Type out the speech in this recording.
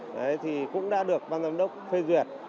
đấy thì cũng đã được ban giám đốc phê duyệt